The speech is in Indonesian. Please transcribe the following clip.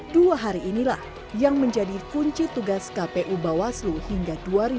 dua hari inilah yang menjadi kunci tugas kpu bawaslu hingga dua ribu dua puluh